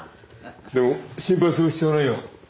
でも心配する必要はないよ。